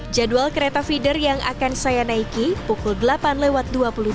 jadwal kereta feeder yang akan saya naiki pukul delapan lewat dua puluh